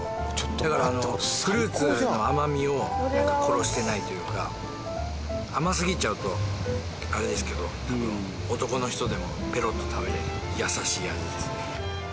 だからフルーツの甘みを殺してないというか甘すぎちゃうとあれですけどたぶん男の人でもペロッと食べられる優しい味ですね。